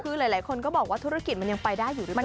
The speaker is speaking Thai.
คือหลายคนก็บอกว่าธุรกิจมันยังไปได้อยู่หรือเปล่า